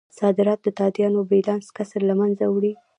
صادرات د تادیاتو بیلانس کسر له مینځه وړي.